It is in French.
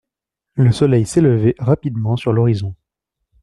Le soleil s'élevait rapidement sur l'horizon.